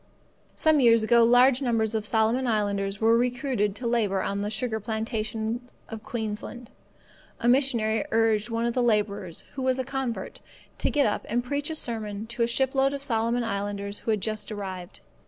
Some years ago large numbers of Solomon islanders were recruited to labour on the sugar plantations of Queensland. A missionary urged one of the labourers, who was a convert, to get up and preach a sermon to a shipload of Solomon islanders who had just arrived.